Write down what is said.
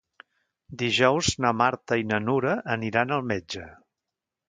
Dijous na Marta i na Nura aniran al metge.